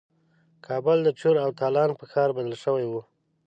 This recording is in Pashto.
کابل د چور او تالان په ښار بدل شوی وو.